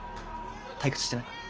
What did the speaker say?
退屈してない？